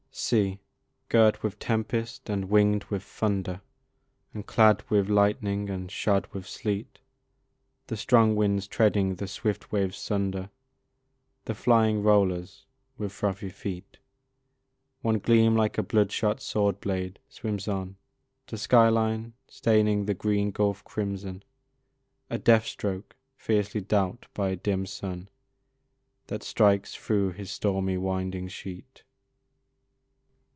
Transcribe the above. See! girt with tempest and wing'd with thunder, And clad with lightning and shod with sleet, The strong winds treading the swift waves sunder The flying rollers with frothy feet. One gleam like a bloodshot sword blade swims on The sky line, staining the green gulf crimson, A death stroke fiercely dealt by a dim sun, That strikes through his stormy winding sheet.